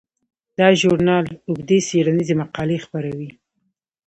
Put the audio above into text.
دا ژورنال اوږدې څیړنیزې مقالې خپروي.